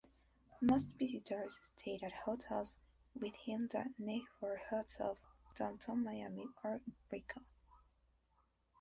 Most visitors stay at hotels within the neighborhoods of Downtown Miami or Brickell.